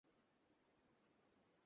ইট মারলে পাটকেল তো খেতেই হবে, তাই না?